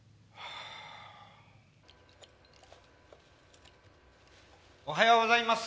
あおはようございます。